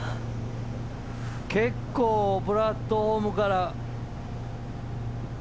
結構プラットホームから。